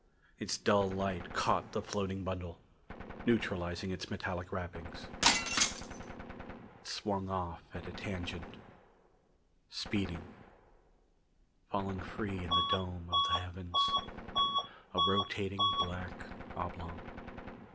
Its dull light caught the floating bundle, neutralizing its metallic wrappings. It swung off at a tangent. Speeding. Falling free in the dome of the heavens. A rotating black oblong.